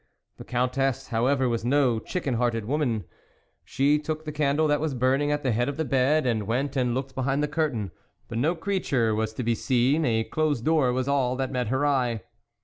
The Countess however was no chicken hearted woman ; she took the candle that was burning at the head of the bed and went and looked behind the curtain ; but no creature was to be seen, a closed door was all that met her eye.